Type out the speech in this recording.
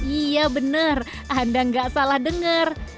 iya benar anda nggak salah dengar